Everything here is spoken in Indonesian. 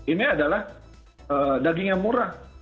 ini adalah daging yang murah